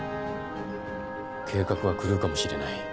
計画は狂うかもしれない。